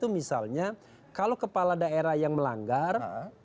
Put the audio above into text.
misalnya kalau kepala daerah yang melanggar